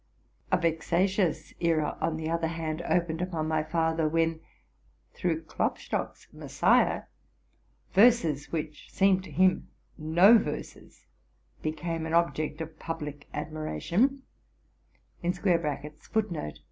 A vexatious era on the other hand opened upon my father, when, through Klopstock's '' Messiah,'' verses, which seemed to him no verses, became an object of public admiration.'.